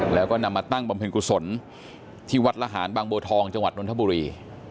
แล้วก็นำมาตั้งบำเพ็ญกุศลที่วัดละหารบางโบทองจังหวัดนทบุรี